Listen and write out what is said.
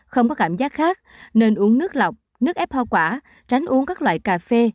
không có cảm giác khác nên uống nước lọc nước ép hoa quả tránh uống các loại cà phê